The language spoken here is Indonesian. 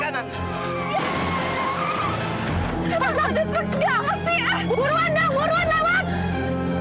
masa detruks dia apa sih